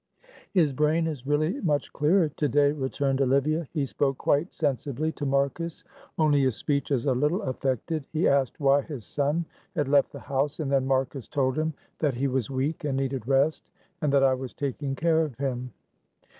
"His brain is really much clearer to day," returned Olivia; "he spoke quite sensibly to Marcus, only his speech is a little affected. He asked why his son had left the house, and then Marcus told him that he was weak and needed rest, and that I was taking care of him.